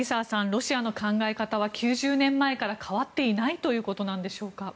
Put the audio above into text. ロシアの考え方は９０年前から変わっていないということなのでしょうか。